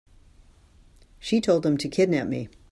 She told them to kidnap me.